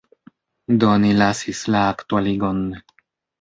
Do ni lasis la aktualigon.